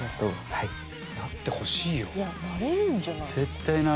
いやなれるんじゃない？